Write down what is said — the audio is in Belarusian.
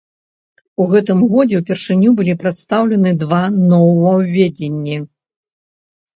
У гэтым годзе ўпершыню былі прадстаўлены два новаўвядзенні.